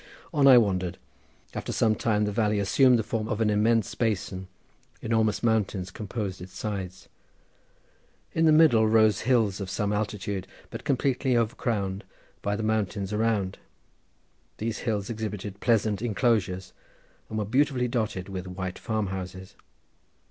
On I wandered. After some time the valley assumed the form of an immense basin, enormous mountains composed its sides. In the middle rose hills of some altitude, but completely overcrowned by the mountains around. These hills exhibited pleasant inclosures, and were beautifully dotted with white farm houses.